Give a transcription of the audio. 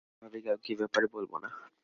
আমি কোনোভাবেই কাউকে এ ব্যাপারে বলব না।